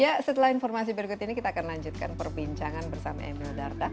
ya setelah informasi berikut ini kita akan lanjutkan perbincangan bersama emil dardak